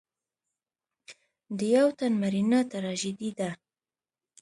د یو تن مړینه تراژیدي ده.